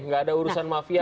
tidak ada urusan mafia